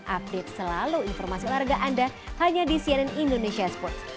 update selalu informasi olahraga anda hanya di cnn indonesia sports